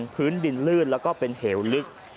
พื้นดินลื่นแล้วก็เป็นเหวลึก